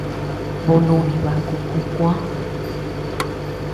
Boo nuni baku kuu kuäa.